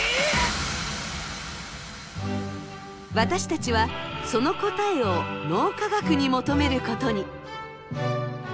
私たちはその答えを脳科学に求めることに。